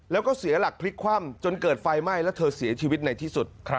แล้วก็เสียหลักพลิกคว่ำจนเกิดไฟไหม้แล้วเธอเสียชีวิตในที่สุด